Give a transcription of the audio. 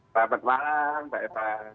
saat malam pak eta